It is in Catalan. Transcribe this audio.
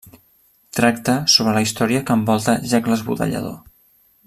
Tracta sobre la història que envolta Jack l'Esbudellador.